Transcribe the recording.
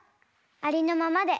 ありのままで。